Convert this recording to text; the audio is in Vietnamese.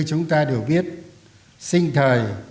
như chúng ta đều biết sinh thời